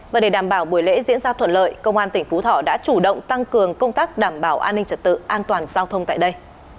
và để đảm bảo buổi lễ diễn ra thuận lợi công an tỉnh phú thọ đã chủ động tăng cường công tác đảm bảo an ninh trật tự an toàn giao thông tại đây